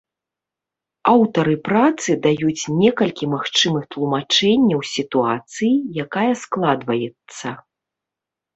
Аўтары працы даюць некалькі магчымых тлумачэнняў сітуацыі, якая складваецца.